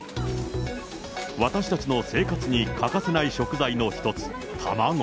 私たちの生活に欠かせない食材の一つ、卵。